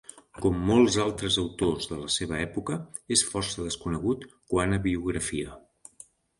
Com molts altres autors de la seva època, és força desconegut quant a biografia.